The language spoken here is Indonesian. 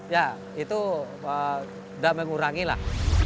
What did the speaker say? ya itu tidak mengurangi lah